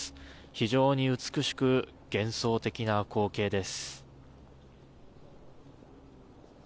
非常に美しく幻想的な光景です。